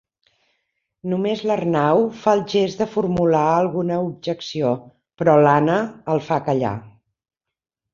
Només l'Arnau fa el gest de formular alguna objecció, però l'Anna el fa callar.